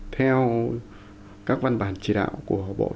theo các văn bản chỉ đạo của các trường